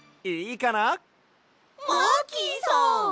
マーキーさん！？